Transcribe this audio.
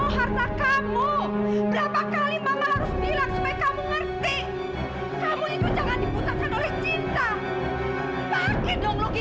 berapa kali mama harus bilang supaya kamu ngerti